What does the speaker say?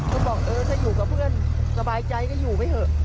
ก็บอกเออถ้าอยู่กับเพื่อนสบายใจก็อยู่ไปเถอะ